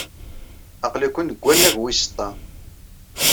Aql-iken deg wannag wis ṭam.